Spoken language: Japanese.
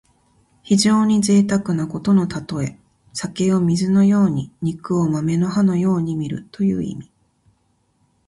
非常にぜいたくなことのたとえ。酒を水のように肉を豆の葉のようにみるという意味。